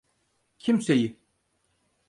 Kimseyi…